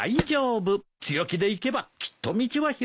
強気でいけばきっと道は開けるよ。